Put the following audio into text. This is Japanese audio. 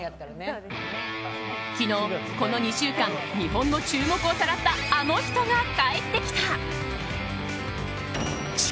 昨日、この２週間日本の注目をさらったあの人が帰ってきた。